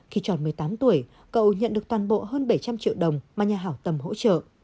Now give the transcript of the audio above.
khi tròn một mươi tám tuổi cầu nhận được toàn bộ hơn bảy trăm linh triệu đồng mà nhà hảo tâm hỗ trợ